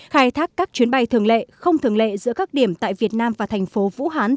khai thác các chuyến bay thường lệ không thường lệ giữa các điểm tại việt nam và thành phố vũ hán